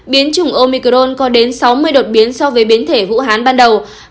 biến chủng omicron có đến sáu mươi đột biến so với biến thể vũ hán ban đầu